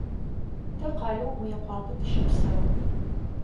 Тэ къалэу Мыекъуапэ тыщэпсэу.